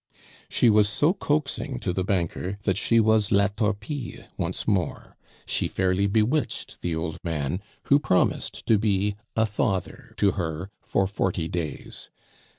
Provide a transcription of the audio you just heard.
She was so coaxing to the banker that she was La Torpille once more. She fairly bewitched the old man, who promised to be a father to her for forty days.